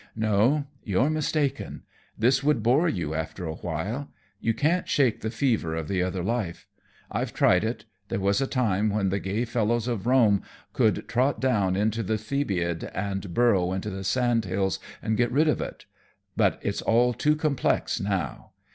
"No, you're mistaken. This would bore you after a while. You can't shake the fever of the other life. I've tried it. There was a time when the gay fellows of Rome could trot down into the Thebaid and burrow into the sandhills and get rid of it. But it's all too complex now.